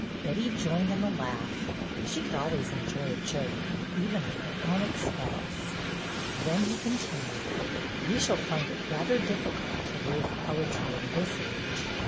Betty joined in the laugh. She could always enjoy a joke, even at her own expense. Then he continued: "We shall find it rather difficult to live poetry in this age.